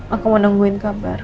aku mau nungguin kabar